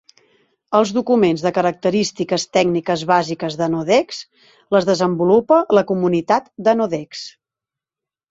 Els documents de característiques tècniques bàsiques d'Annodex les desenvolupa la comunitat d'Annodex.